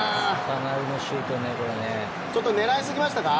ちょっと狙いすぎましたか？